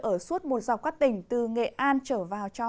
ở suốt một dọc các tỉnh từ nghệ an trở vào cho